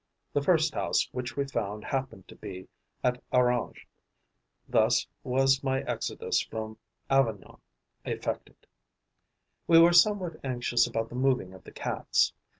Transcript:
The first house which we found happened to be at Orange. Thus was my exodus from Avignon effected. We were somewhat anxious about the moving of the Cats.